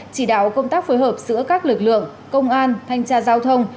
chỉ đạo công tác phối hợp giữa các lực lượng công an thanh tra giao thông